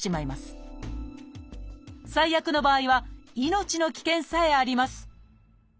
最悪の場合は命の危険さえあります